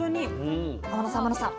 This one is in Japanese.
天野さん天野さん